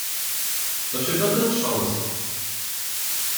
— To się będę trząsł.